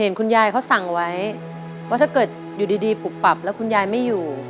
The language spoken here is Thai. คุณยายเขาสั่งไว้ว่าถ้าเกิดอยู่ดีปุบปับแล้วคุณยายไม่อยู่